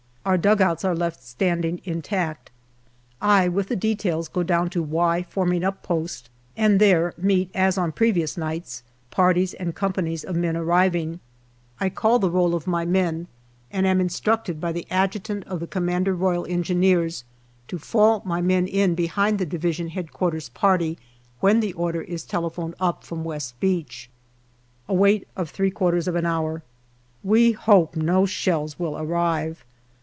Our dugouts are left standing intact. I, with the details, go down to " Y ' forming up post, and there meet, as on previous nights, parties and companies of men arriving. I call the roll of my men, and am instructed by the Adjutant of the C.R.E. to fall my men in behind the D.H.Q. party when the order is telephoned up from West Beach. A wait of three quarters of an hour. We hope no shells will arrive.